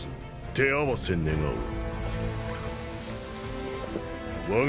手合わせ願おう。